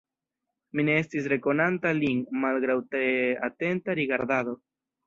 Mi ne estis rekonanta lin, malgraŭ tre atenta rigardado.